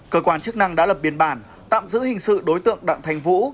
cơ quan chức năng đã lập biên bản tạm giữ hình sự đối tượng đặng thanh vũ